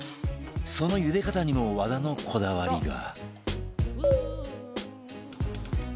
その茹で方にも和田のこだわりが